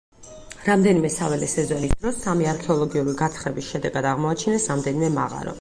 რამდენიმე საველე სეზონის დროს სამი არქეოლოგიური გათხრების შედეგად აღმოაჩინეს რამდენიმე მაღარო.